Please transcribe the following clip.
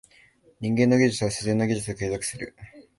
人間の技術は自然の技術を継続する。